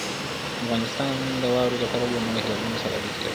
افغانستان د واوره له پلوه له نورو هېوادونو سره اړیکې لري.